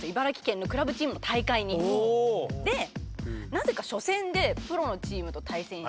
なぜか初戦でプロのチームと対戦し。